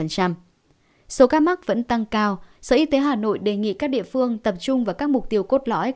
số ca mắc vẫn tăng cao sở y tế hà nội đề nghị các địa phương tập trung vào các mục tiêu cốt lõi